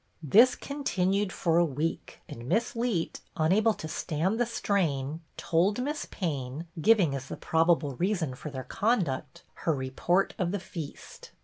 This continued for a week, and Miss Leet, unable to stand the strain, told Miss Payne, giving, as ' the probable reason for their conduct, her report of the feast.